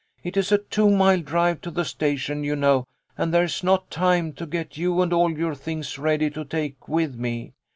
" It is a two mile drive to the station, you know, and there's not time to get you and all your things ready to take with me.